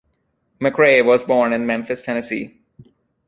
McRae was born in Memphis, Tennessee.